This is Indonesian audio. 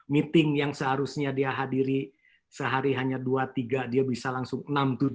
meeting yang seharusnya dia hadiri sehari hanya dua tiga dia bisa langsung enam tujuh